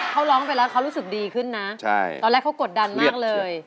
เขาร้องไปแล้วเขารู้สึกดีขึ้นนะตอนแรกเขากดดันมากเลย